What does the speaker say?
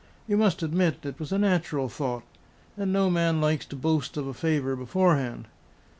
You must admit it was a natural thought. And no man likes to boast of a favour beforehand."